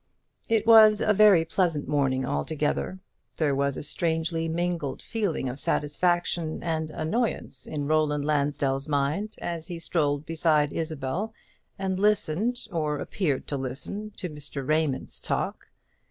It was a very pleasant morning altogether. There was a strangely mingled feeling of satisfaction and annoyance in Roland Lansdell's mind as he strolled beside Isabel, and listened, or appeared to listen, to Mr. Raymond's talk.